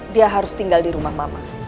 dia harus tinggal di rumah mama